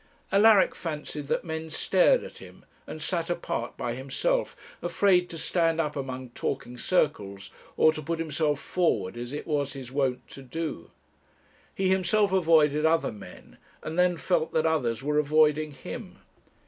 Alaric fancied that men stared at him, and sat apart by himself, afraid to stand up among talking circles, or to put himself forward as it was his wont to do. He himself avoided other men, and then felt that others were avoiding him.